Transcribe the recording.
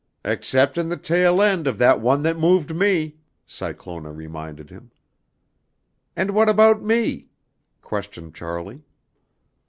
"Exceptin' the tail end of that one that moved me," Cyclona reminded him. "And what about me?" questioned Charlie.